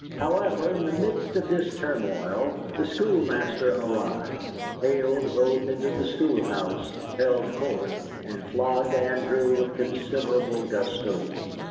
However, in the midst of this turmoil the schoolmaster arrived, haled both into the schoolhouse, held court, and flogged Andrew with considerable gusto.